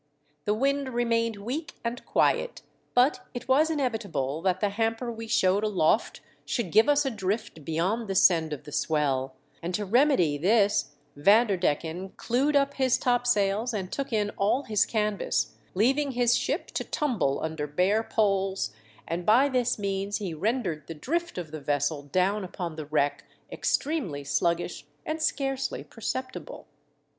The wind remained weak and quiet, but it was inevitable that the hamper we showed aloft should give us a drift beyond the send of the swell ; and to remedy this Vanderdecken clewed up his topsails and took in all his canvas, leaving his ship to tumble under bare poles, and by this means he rendered the drift of the vessel down upon the wreck extremely sluggish and scarcely perceptible.